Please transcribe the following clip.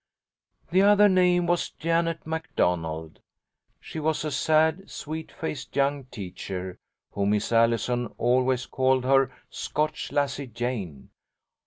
The other name was Janet McDonald. She was a sad, sweet faced young teacher whom Miss Allison always called her "Scotch lassie Jane."